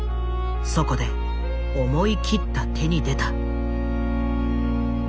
そこで思い切った手に出た。